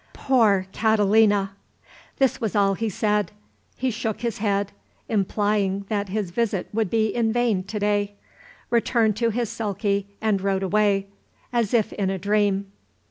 "Poor Catalina!" This was all he said. He shook his head, implying that his visit would be in vain to day, returned to his sulky, and rode away, as if in a dream.